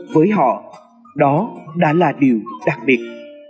với họ đó đã là điều đặc biệt